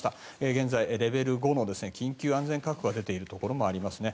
現在、レベル５の緊急安全確保が出ているところもありますね。